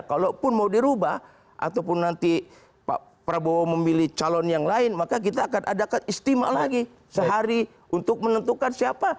kalaupun mau dirubah ataupun nanti pak prabowo memilih calon yang lain maka kita akan adakan istimewa lagi sehari untuk menentukan siapa